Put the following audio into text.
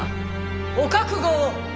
お覚悟を！